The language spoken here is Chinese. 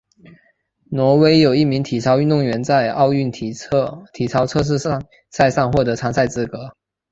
挪威有一名体操运动员在奥运体操测试赛上获得参赛资格。